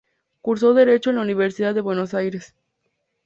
Cursó Derecho en la Universidad de Buenos Aires.